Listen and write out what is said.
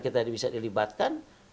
kita bisa dilibatkan